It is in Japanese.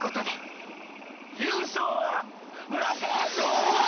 優勝は浦川翔平さん！